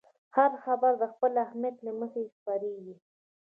هر خبر د خپل اهمیت له مخې خپرېږي.